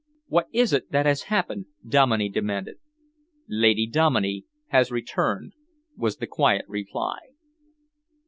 "What is it that has happened?" Dominey demanded. "Lady Dominey has returned," was the quiet reply.